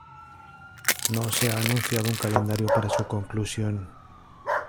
No se ha anunciado un calendario para su conclusión.